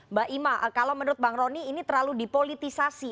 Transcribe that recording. mbak ima kalau menurut bang rony ini terlalu dipolitisasi